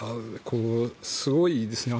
すごいですね。